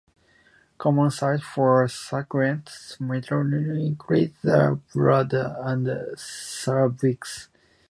Common sites for squamous metaplasia include the bladder and cervix.